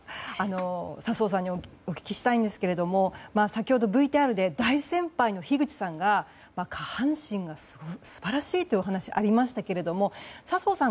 笹生さんにお聞きしたいんですけれども先ほどＶＴＲで大先輩の樋口さんが下半身が素晴らしいというお話ありましたが笹生さん